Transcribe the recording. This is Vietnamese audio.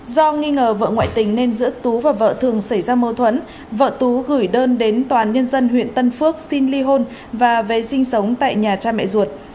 do nghi ngờ vợ ngoại tình nên giữa tú và vợ thường xảy ra mâu thuẫn vợ tú gửi đơn đến tòa án nhân dân huyện tân phước xin ly hôn và về sinh sống tại nhà cha mẹ ruột